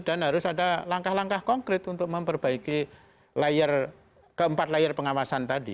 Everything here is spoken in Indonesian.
dan harus ada langkah langkah konkret untuk memperbaiki keempat layar pengawasan tadi